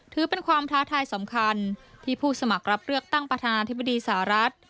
ถือเป็นความท้าทายสำคัญที่ผู้สมัครรับเลือกตั้งประธานาธิบดีสหรัฐ